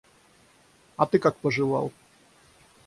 А ты как поживал?